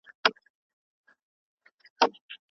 تاوان مې په ورین تندي قبول کړ.